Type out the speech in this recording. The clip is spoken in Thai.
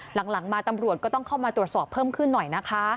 หลังมาตำรวจก็ต้องเข้ามาตรวจสอบเพิ่มขึ้นหน่อยนะคะ